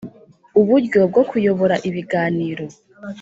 Uburyo bwo kuyobora ibiganiro